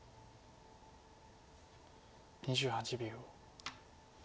２８秒。